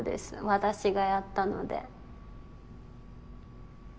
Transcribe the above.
私がやったので。